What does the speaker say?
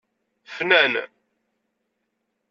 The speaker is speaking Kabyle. Fnan